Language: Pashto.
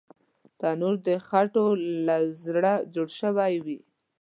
تنور د خټو له زړه جوړ شوی وي